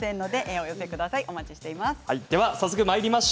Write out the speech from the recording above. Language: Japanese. お待ちしています。